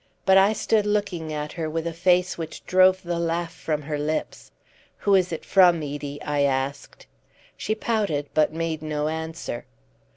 But I stood looking at her with a face which drove the laugh from her lips. "Who is it from, Edie?" I asked. She pouted, but made no answer.